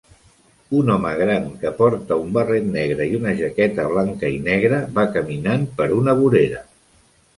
Un home gran que porta un barret negre i una jaqueta blanca i negre va caminant per una vorera.